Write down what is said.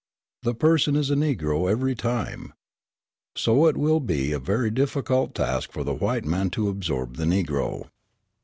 The person is a Negro every time. So it will be a very difficult task for the white man to absorb the Negro.